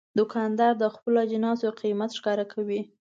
دوکاندار د خپلو اجناسو قیمت ښکاره کوي.